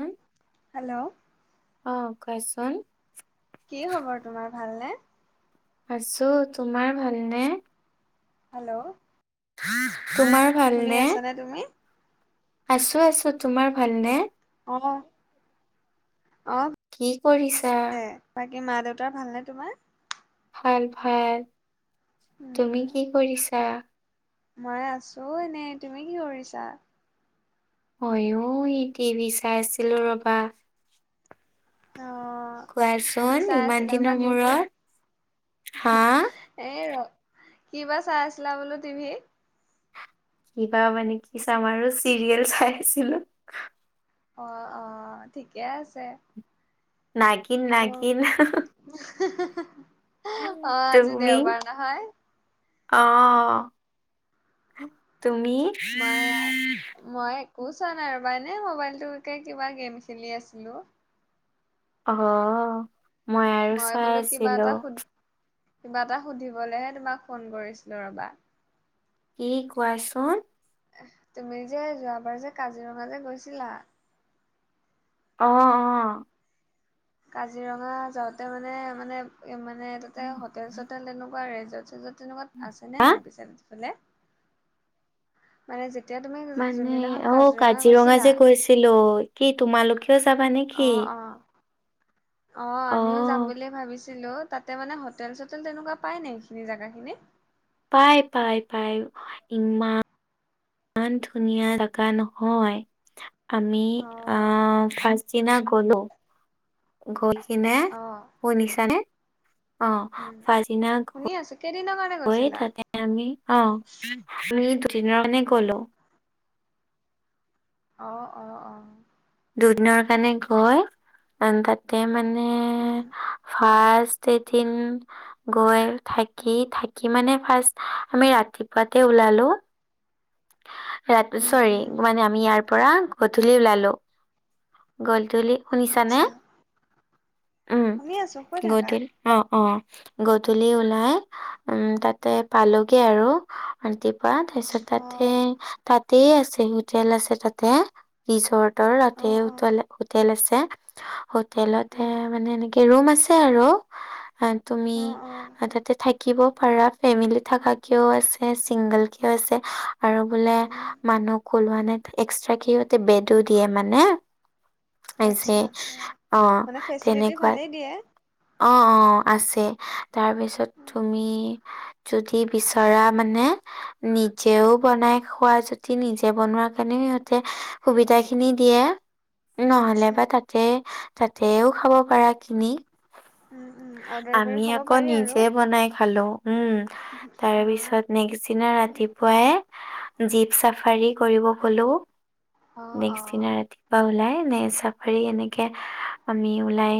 উম, hello অ' কয়চোন। কি খবৰ তোমাৰ ভাল নে? আছো, তোমাৰ ভালনে? হেল্ল' তোমাৰ? শুনি ভালনে? আছানে তুমি? আছো আছো তোমাৰ ভালনে? অ অ কি কৰিছা? ভালে বাকী মা-দেউতাৰ ভালনে তোমাৰ? ভাল ভাল উম, তুমি কি কৰিছা? মই আছো এনে, তুমি কি কৰিছা? মইও এই টিভি চাই আছিলো ৰ'বা। অ কি কোৱাচোন চাই ইমান আছিলা বা দিনৰ টিভিত? মূৰত হা উঁহ এ ৰ কি বা চাই আছিলা বোলো টিভিত কিবা মানে কি চাম আৰু চিৰিয়েল চাই আছিলোঁ। অ অ ঠিকে আছে। নাগিন নাগিন হা হ হে হে অ' আজি তুমি দেওবাৰ নহয়। অ তুমি মাইয়া মই একো চোৱা নাই ৰ'বা এনে মোবাইলটোকে কিবা গেম খেলি আছিলো। অহ মই আৰু চাই বোলো কিবা আছিলো। এটা সুধ কিবা এটা সুধিবলেহে তোমাক ফোন কৰিছিলো ৰবা। কি কোৱাচোন তুমি যে যোৱাবাৰ যে কাজিৰঙালে যে গৈছিলা। অ অ কাজিৰঙা যাওঁতে মানে মানে মানে তাতে হোটেল এটাত তাত তেনেকুৱা ৰেজৰ্ট চেজৰ্ট তেনেকুৱাত আছেনে হা নাই পিছে সেইফালে মানে যেতিয়া তুমি মানে যোনদিনাখন অ কাজিৰঙা গৈছিলা যে গৈছিলো কি তোমালোকেও যাবা নেকি অ', অ'। অ আমিও যাম বুলি ভাবিছিলো তাতে মানে হোটেল চোটেল তেনেকুৱা পাই নাই এইখিনি জেগা খিনি। পাই পাই পাই ইমান ইমান ধুনীয়া জাগা নহয়। আমি অ', আহ ফাষ্ট দিনা গলো গৈ কিনে অ', শুনিছানে। অ উম পাছদিনা শুনি আছো কেইদিন আত গৈ থাকে আমি অ দুইদিনৰ কাৰণে গলো অ অ অ দুদিনৰ কাৰণে গৈ তাতে মানে উম ফাষ্ট এদিন গৈ থাকি থাকি মানে ফাৰ্ষ্ট আমি ৰাতিপুৱাতে ওলালো। ৰাত উম, চৰি উম, মানে আমি ইয়াৰ পৰা গধূলি ওলালো গধূলি শুনিছানে আচ্ছা। উম শুনি আছোঁ কৈ থাকা গধূলি অ অ গধূলি ওলাই উম তাতে পালোগে আৰু পৰাত তাৰপিছতে অঁ তাতে আছে হোটেল আছে তাতে ৰিজৰ্টৰ তাতে অঁ অঁ উতালে হোটেল আছে হোটেলতে উম মানে এনেকে ৰুম আছে আৰু। বা তুমি অঁ অঁ তাতে থাকিব পাৰা। ফেমেলি থকা কেও আছে চিংগল কেও আছে আৰু বোলে উম মানুহ কলোৱা নাই এক্সটাকে সিহঁতে বেডো দিয়ে মানে এই আচ্ছা যে আচ্ছা অহ মানে ফেচিলিটি তেনেকুৱাই ভালেই দিয়ে অ অ আছে তাৰপিছত উম, তুমি যদি বিচৰা মানে নিজেও বনাই খোৱা জোতি নিজে বনোৱা কাৰণেও সিহঁতে সুবিধা খিনি দিয়ে। নহলে আচ্ছা বা তাতে তাতেও খাব পাৰা কিনি। উম উম অৰ্ডাৰ কৰি আমি খাব আকৌ পাৰি আৰু নিজে বনাই খালো। উম তাৰ অঁ পিছত নেক্স দিনা ৰাতিপুৱাই জীপ চাফাৰী কৰিব গলো অঁ নেক্স অঁ দিনা বা ওলাই নে চাফাৰী এনেকে আমি ওলাই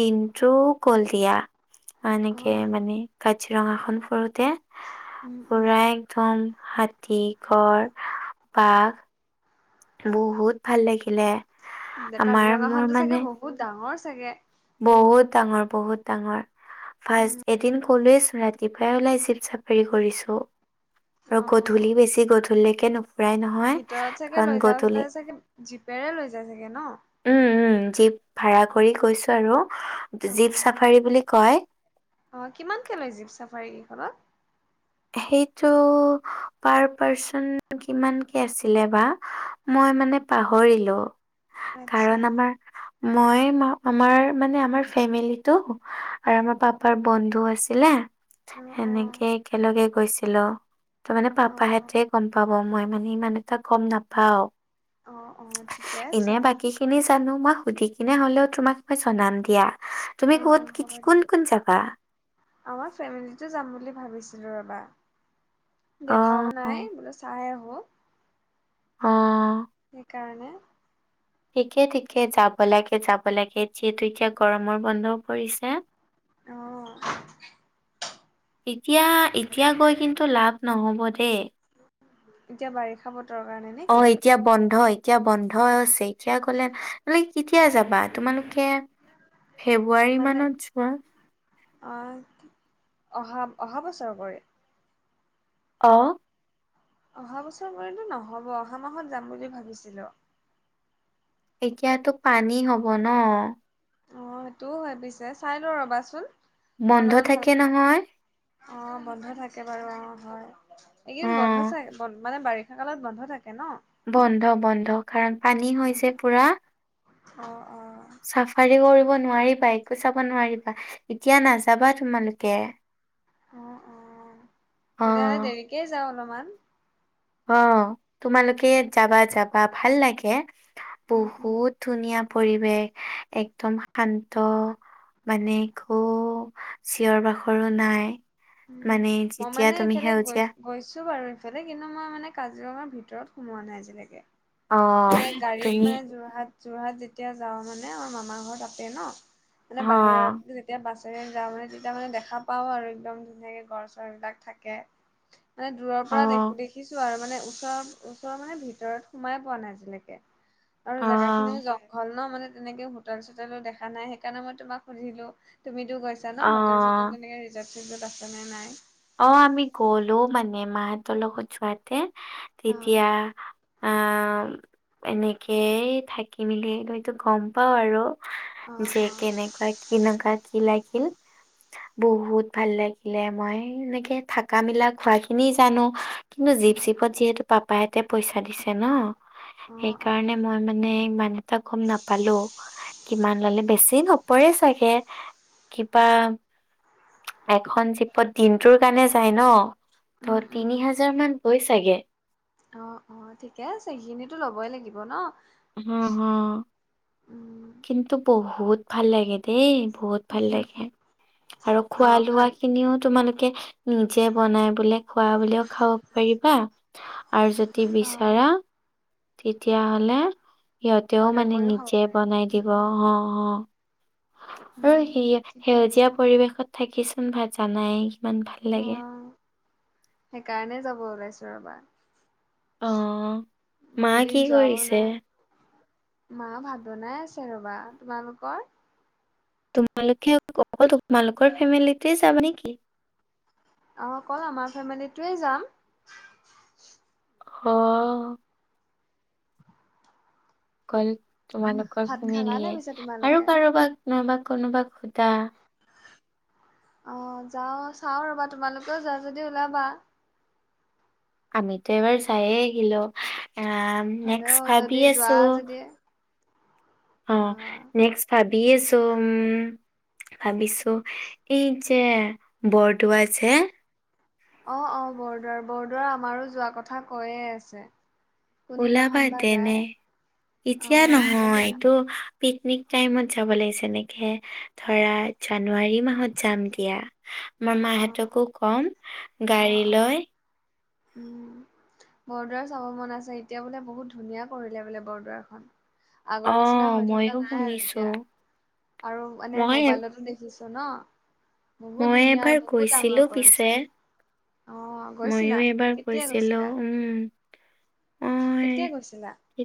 দিনটো গল দিয়া এনেকে অঁ মানে কাজিৰঙাখন ফুৰোতে উম উম পুৰা একদম হাতী ঘৰ বাঘ। বহুত ভাল লাগিলে আমাৰ মোৰ কাজিৰঙাখনতো চাগে মানে। বহুত ডাঙৰ চাগে। বহুত ডাঙৰ বহুত ডাঙৰ ফাৰ্ষ এদিন। কলোৱেছো ৰাতিপাই ওলাই চিপ চাফাৰী কৰিছো আৰু অঁ গধূলি বেছি গধ। লেকেনো [inaudible] ভিতৰত চাগে লৈ যাাই চাগে জীপেৰে লৈ যায় চাগে ন। উম উম জীপ ভাড়া কৰি গৈছো আৰু জীপ চাফাৰী বুলি কয়। অ কিমানকৈ লয় জীপ চাফাৰীইখনত। সেইটো পাৰ পাৰ্চন কিমানকে আছিলে বা। মই মানে পাহৰিলো আচ্ছা কাৰণ আমাৰ। মই আমাৰ মানে আমাৰ ফেমেলিটো আৰু আমাৰ পা। পাৰ বন্ধু আছিলে। অঁ অঁ সেনেকে একেলগে গৈছিলো ত মানে অঁ পাপাহেঁতে গম পা। ব মই মানে ইমান এটা গম নাপাও। অ অ। এনে বাকী খিনি জানো মই সুধি কিনে হলেও তোমাক মই জনাম দিয়া। তুমি অঁ ক'ত অঁ কি হ'ব দে কোন কোন জাবা। আমাৰ ফেমিলিটো যাম বুলি ভাবিছিলোঁ ৰ'বা। দেখাও অ', নাই বোলো চাই আহো অ'। সেইকাৰণে। ঠিকে ঠিকে যাব লাগে যাব লাগে যিহেতু এতিয়া গৰমৰ বন্ধও পৰিছে। অ [unintelligible] এতিয়া এতিয়া গৈ কিন্তু লাভ নহ'ব দেই। এতিয়া বাৰিষা বতৰ কাৰণে। অ নেকি এ। এতিয়া বন্ধ এতিয়া বন্ধ হৈছে এতিয়া কলে ত কেতিয়া যাবা তোমালোকে। ফেব্ৰুৱাৰী মানে মানত যোৱা। অহা অহা বছৰব। অ। অহা বছৰ পৰিতো নহব অহা মাহত যাম বুলি ভাবিছিলো। এতিয়াতো পানী হব ন। অ সেইটোও হয় পিছে চাই লওঁ ৰবাচোন বন্ধ অলপমান থাকে ভালকে। নহয় অ বন্ধ থাকে বাৰু অ হয় এইকদ বন্ধ অ'। চ বন্ধ মানে বাৰি। কালত বন্ধ থাকে ন। বন্ধ বন্ধ কাৰণ পানী হৈযে পুৰা। অ অ। চাফাৰী কৰিব নোৱাৰিবা একো চাব নোৱাৰিবা। এতিয়া নাযাবা তোমালোকে। অ অ অ তেতিয়াহ'লে দেৰিকে যাওঁ অলপমান। অ তোমালোকে যাবা যাবা ভাল লাগে। উম, উম, বহুত ধুনীয়া পৰিৱেশ একদম শান্ত। মানে একো চিঞৰ বাখৰো নাই। উম মানে মই যেতিয়া মানে তুমি এইফালে সেউজীয়া গৈছ। গৈছো বাৰু ইফালে কিন্তু মই মানে কাজিৰঙাৰ ভিতৰত সোমোৱা নাই আজিলৈকে। অ মানে গাড়ীত তুমি মানে যোৰহাট। যোৰহাট যেতিয়া যাওঁ মানে আমাৰ মামাৰ ঘৰ তা'তে ন মানে অ বাহিৰত। যেতিয়া বাছে যাওঁ মানে তেতিয়া মানে দেখা পাওঁ আৰু একদম ধুনীয়াকে গড়-চৰ বিলাক থাকে। মানে দূৰৰ অ পৰা দেখি দেখিছো আৰু। মানে - ওচৰ-ওচৰৰ মানে ভিতৰত সোমাই পোৱা নাই আজিলৈকে। আৰু অ জেগা খিনিও জং - ঘল ন, মানে তেনেকে হোটেল-চোটেলো দেখা নাই সেইকাৰণে মই তোমাক সুধিলো তুমিতো গৈছা। জানা ন অ হোটেল-চোটেল তেনেকে ৰিজাৰ্ভ-চিযাৰ্ভ আছেনে নাই। অঁহ', আমি গ'লো মানে মাহঁতৰ লগত যোৱাত- মানে অ', তেতিয়া আঁহ এনেকেই থাকি মেলি হয়তো গম পাওঁ আৰু, অ', যে অ', কেনেকোৱা কি। এনেকোৱা কি লাগিল, বহুত ভাল লাগিলে। মই এনেকে থাকা, মিলা, খোৱা খিনি জানো, কিন্তু উম, জীপ-চিপত যিহেতু পাপ বা হতে পইচা দিছে ন, অ', সেইকাৰণে অ', মই মানে ইমান- এটা গম নাপালো কিমান ল'লে, বেছি নপৰে চাগে। কিবা এখন জীপত দিনটোৰ কাৰণে যায় ন, উম, ত' উম। তিনি হাজাৰ মান হয় চাগে। অঁহ', -অঁহ', - ঠিকে আছে। সেইখিনিতো ল'বই লাগিব ন। উমঁ-উমঁ। উম, কিন্তু বহুত - ভাল লাগে দেই, বহুত ভাল লাগে। আৰু অ', খোৱা-লোৱা ভাল খিনিও তোমালোকে- নিজে বনাই পেলাইও খোৱা বুলিও খাব পাৰিবা, আৰু যদি অ', বিচাৰা- তেতিয়াহ'লে সিহঁতেও অৰ্ডাৰ মানে কৰিও খাব নিজে- পাৰিম। বনাই দিব উম, অঁহ', -অঁহ',। অই' উম, সেইয়া ঠিকে সেউজীয়া আছে পৰিৱেশত থাকিচোন জানাই কিমান ভাল লাগে। উম। সেইকাৰণে যাব ওলাইছো ৰ'বা। অ মা বহু কি দিন যোৱাও কৰিছে নাই। মাঁ ভাত বনাই আছে ৰ'বা। তোমালোকৰ? তোমালোকে, অকল তোমালোকৰ ফেমিলিটোৱে যাবা নেকি? অঁহ', অকল আমাৰ ফেমিলিটোৱে যাম। অহ'। [unintelligible] অকল তোমালোকৰ ভাত খালা নে ফেমিলীয়ে, পিছে আৰু তোমালোকে? কাৰোবাক নাইবা কোনোবাক সোধা। অঁ' যাওঁ, চাওঁ ৰ'বা। তোমালোকেও যাৱা যদি ওলাবা। আমিটো এবাৰ চাইয়ে আহিলো, এ' নেক্স হ'লেও যদি ভাবি যোৱা আছো। যদি অঁহ', অ', নেক্সট ভাবি আছো, উমঁ ভাবিছো এই- এই বৰদোৱা যে- অঁহ', -অঁহ, বৰদোৱাৰ, বৰদোৱাৰ আমাৰো যোৱা কথা কয়ে আছে। ওলাবা কোনদিনাখন বা তেনে। যায় এতিয়া অ', হ'ব দিয়া নহয়টো- পিক-নিক টাইমত যাব লাগিছে এনেকে ধৰা জানুৱাৰী মাহত যাম দিয়া। মই অ', অ', মাঁহতকো কম, অ', গাড়ী লৈ। অ', উম, বৰদোৱাৰ চাব মন আছে এতিয়া বোলে বহুত ধুনীয়া কৰিলে বোলে বৰদোৱাৰখন। আগৰ নিচিনা অ' হৈ থকা ময়ো নাই আৰু শুনিছো এতিয়া। আৰু মানে মই মোবাইলতো দেখিছো- ন বহুত মই ধুনীয়া এবাৰ আৰু বহুত ডাঙৰ গৈছিলো পিছে কৰিছে। অঁহ', ময়ো গৈছিলা? এবাৰ কেতিয়া গৈছিলো গৈছিলা? উম। কেতিয়া গৈছিলা? এ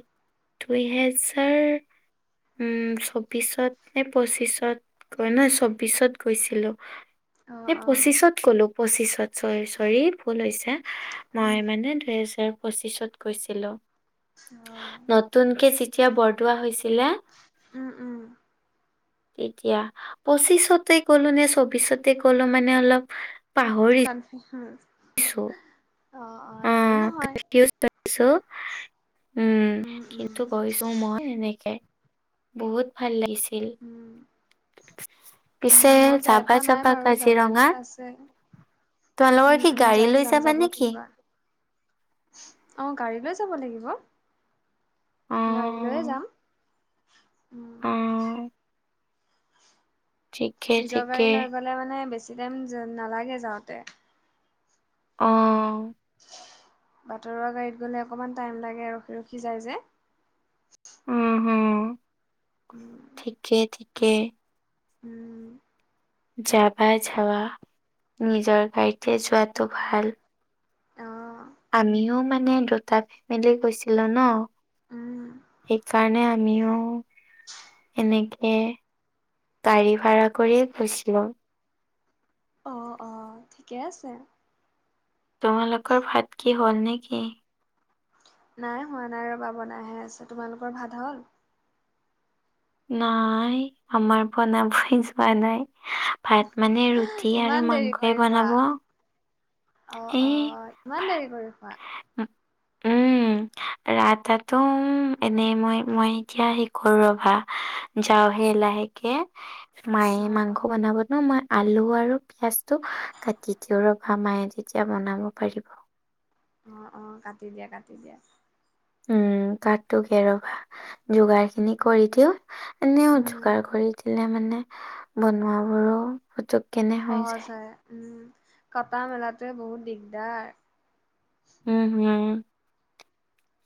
দুই হেজাৰ উম চৌবিশত নে, পঁচিছত গ, নয় চৌবিশত গৈছিলো। অ' এই অ'। পঁচিছত গ'লো, পঁচিছত চৰি, চৰি। ভুল হৈছে, মই উম, মানে দুহেজাৰ পঁচিশত গৈছিলো। অ' নতুনকে যেতিয়া বৰদোৱা হৈছিলে উম, উম, এতিয়া, পঁচিছতে গ'লো নে চৌবিশতে গ'লো মান নে অলপ পাহৰি অহ' হু হুম। অ নহয়। অছ [unintelligible] উম কিন্তু গৈছো মই এনেকে বহুত ভাল লাগিছিল উ পিছে মই যাই যাবা পোৱা নাই যাবা বাৰু যাব কাজিৰঙা ইচ্ছা আছে তোমালোকৰ উম কি উম গাড়ী যাম লৈ যাম যাবা যাব নেকি লাগিবা অ গাড়ী লৈ যাব লাগিব অ গাড়ী লৈয়ে যাম উম, অ ঠিকে নিজৰ গাড়ী ঠিকে লৈ গলে মানে বেছি টাইম যে নালাগে যাওঁতে অ বাটৰুৱা গাড়ীত গ'লে অকমান টাইম লাগে আৰু, ৰখি, ৰখি যাই যে। উম, উম, উম। ঠিকে, ঠিকে। উম, যাবা ঝাবা, নিজৰ গাড়ীতে যোৱাটো ভাল। অ'। আমিও মানে দুটা ফেমিলি গৈছিলো ন। উম, সেইকাৰণে আমিও এনেকে গাড়ী ভাভ়া কৰিয়ে গৈছিলো অ', অ', ঠিকে আছে তোমালোকৰ ভাত কি হ'ল নে কি নাই হোৱা নাই ৰবা বনাইহে আছে তোমালোকৰ ভাত হল নাই আমাৰ বনাবই যোৱা নাই ভাত মানে ৰুট টি ইমান আৰু দেৰি মাংসই কৰি খোৱা? বনাব অ অ এই ইমান দেৰি কৰি খোৱা ৰা তটো এনেই মই মই এতিয়া শি কৰো ৰভা যাও হে লাহেকে মায়ে অ', মাংস অ', বনাব ন মই আলু আৰু পিয়াজটো কাটি দিওঁ ৰভা মাই তেতিয়া বনাব পাৰিব অ অ কাটি দিয়া কাটি দিয়া উম কাতো কে ৰবা যোগাৰ খিনি কৰি দিও এনেও উম, যোগাৰ কৰি দিলে মানে বনোৱাবোৰো পুতুক কেনে হৈ সহজ যায়। হয় উম কটা মেলাতোৱে বহুত দিগদাৰ উম হুম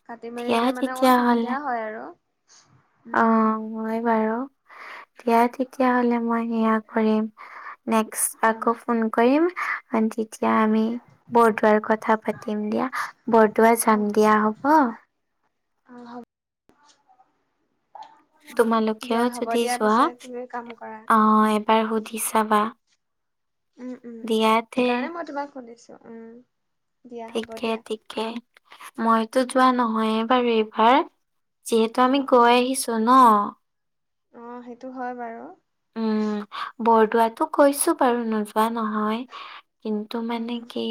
কাটি মেলি দিলে মানে অকমান সুবিধা তেতিয়াহ'লে হয় আৰু অ উম, হয় বাৰু দিয়া তেতিয়া হলে মই সেয়া কৰিম নেক্স আকৌ অ', ফোন কৰিম আ তেতিয়া আমি বৰদোৱাৰ কথা পাতিম দিয়া বৰদোৱা অ', যাম দিয়া হ'ব অ', হ'ব তোমালোকেও দিয়া হ'ব যদি দিয়া যোৱা পিছে তুমি কাম কৰা। অ', এবাৰ সুধি চাবা। উম উম। দিয়া তে সেইকাৰণে মই তোমাক সুধিছো উম। দিয়া হ'ব ঠিকে দিয়া। ঠিকে। মইতো উম, যোৱা নহয়ে বাৰু এইবাৰ। যিহেতু অ, আমি অ, গৈ আহিছো ন। অ সেইটো হয় বাৰু। বৰদোৱাটো গৈছো বাৰু নোযোৱা নহয়। কিন্তু অ, মানে কি,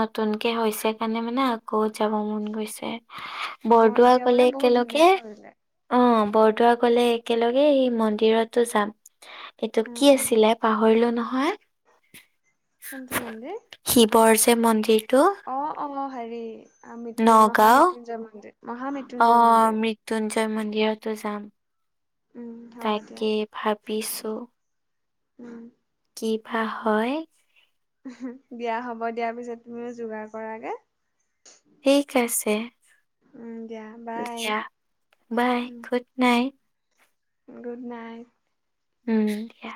নতুনকে হৈছে কাৰণে মানে আকৌ যাব মন গৈছে। অ, বৰদোৱা এতিয়া বোলে গ'লে বহুত ধুনীয়া একেলগে, কৰিলে। অ বৰদোৱা গ'লে একেলগে সেই মন্দিৰতো যাম। এইটো উম, কি উম, আছিলে? পাহৰিলো নহয়। কোনটো মন্দিৰ? শিৱৰ যে মন্দিৰটো। অ অ হেৰি, আ মহা নগাঁও মৃত্যুঞ্জয় মন্দিৰ, মহা অ মৃত্যুঞ্জয় মন্দিৰ। মৃত্যুঞ্জয় মন্দিৰতো যাম। উম, হ'ব দিয়া। তাকে ভাবিছো। উম। কি ভা হয়। উহুম। দিয়া হ'ব দিয়া পিছে তুমিও যোগাৰ কৰাগে। ঠিক আছে। উম, Diya bye. Diya bye um, good night. Good night. উম।